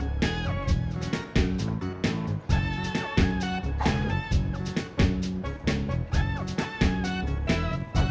udah ternyata aku ga tau apaan